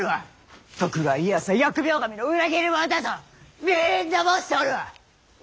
徳川家康は疫病神の裏切り者だとみんな申しておるわ！